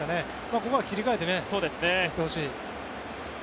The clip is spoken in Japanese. ここは切り替えて行ってほしい。